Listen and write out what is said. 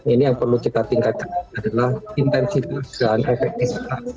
ini yang perlu kita tingkatkan adalah intensif dan efektif